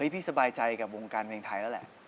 พี่สบายใจกับวงการเพลงไทยแล้วแหละ